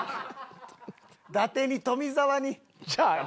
伊達に富澤に。